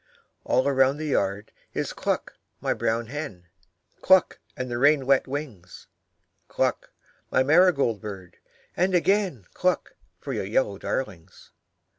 All round the yard it is cluck, my brown hen, Cluck, and the rain wet wings, Cluck, my marigold bird, and again Cluck for your yellow darlings.